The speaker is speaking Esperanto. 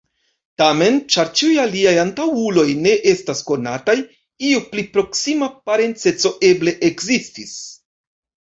Tamen, ĉar ĉiuj iliaj antaŭuloj ne estas konataj, iu pli proksima parenceco eble ekzistis.